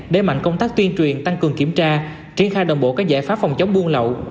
để mạnh công tác tuyên truyền tăng cường kiểm tra triển khai đồng bộ các giải pháp phòng chống buôn lậu